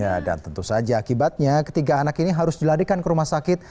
ya dan tentu saja akibatnya ketiga anak ini harus dilarikan ke rumah sakit